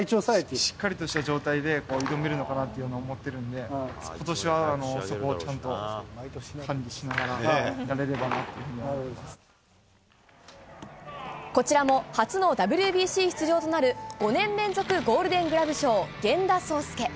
しっかりした状態で挑めるのかなと思ってるんで、ことしはそこをちゃんと管理しながらやれれこちらも初のＷＢＣ出場となる、５年連続ゴールデングラブ賞、源田壮亮。